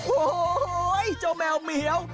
โอ้โฮโอ๊ยเจ้าแมวเหมียว